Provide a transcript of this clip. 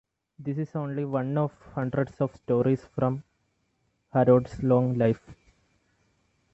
This is only one of hundreds of stories from Harold's long life.